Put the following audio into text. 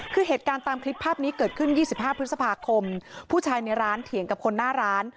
คือเหตุการณ์ตามคลิปภาพนี้เกิดขึ้น๒๕พฤษภาคมผู้ชายในร้านเถียงกับคนหน้าร้าน